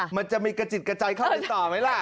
มันจะมีกระจิตกระจายเข้าไปต่อไหมล่ะ